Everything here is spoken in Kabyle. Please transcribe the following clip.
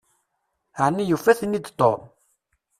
Ɛni yufa-ten-id Tom?